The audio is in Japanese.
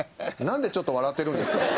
なんでちょっと笑ってるんですか